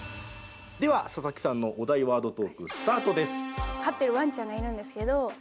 では佐々木さんのお題ワードトークスタートです。